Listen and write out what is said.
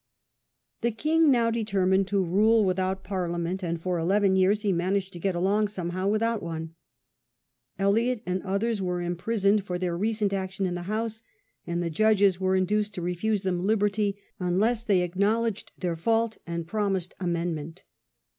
The king now determined to rule without Parliament, and for eleven years he managed to get along somehow Absolute without One. Eliot and others were im ruie. ifiag. prisoned for their recent .action in the House, and the judges were induced to refuse them liberty un less they acknowledged their fault and promised amend ment.